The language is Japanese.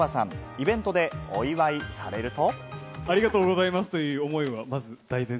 イベントでお祝いされると。